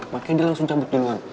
makanya dia langsung cabut duluan